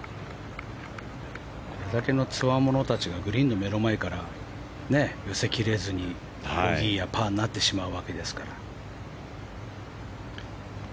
これだけのつわものたちがグリーンの目の前から寄せきれずにボギーやパーになってしまうわけですから。